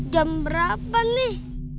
jam berapa nih